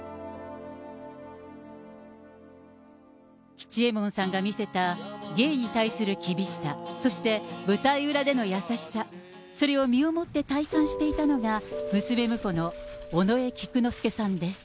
吉右衛門さんが見せた芸に対する厳しさ、そして舞台裏での優しさ、それを身をもって体感していたのが、娘婿の尾上菊之助さんです。